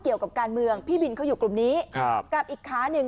เกี่ยวกับการเมืองพี่บินเขาอยู่กลุ่มนี้กับอีกขาหนึ่ง